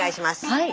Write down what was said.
はい。